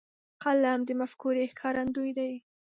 قلم د مفکورې ښکارندوی دی.